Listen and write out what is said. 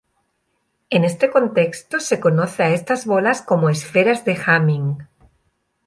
En este contexto se conoce a estas bolas como Esferas de Hamming.